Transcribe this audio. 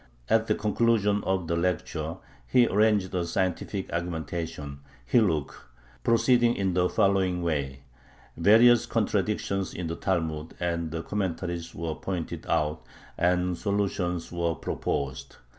At the conclusion of the lecture he arranged a scientific argumentation (hilluk), proceeding in the following way: Various contradictions in the Talmud and the commentaries were pointed out, and solutions were proposed.